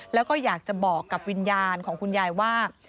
แล้วก็อยากจะบอกกับวิญญาณของคุณยายว่า